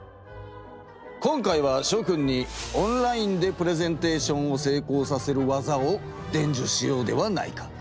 今回はしょくんにオンラインでプレゼンテーションをせいこうさせる技をでんじゅしようではないか。